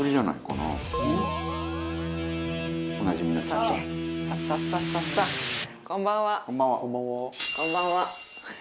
「こんばんは」